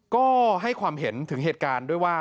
ก็ให้ความเห็นถึงเหตุการณ์ด้วยว่า